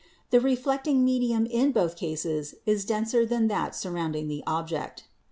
The reflecting medium in both cases is denser than that sur rounding the object.